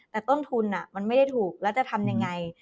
แต่ต้นทุนมันไม่ได้ถูกแล้วจะทำยังไง